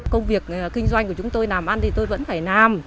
công việc kinh doanh của chúng tôi làm ăn thì tôi vẫn phải làm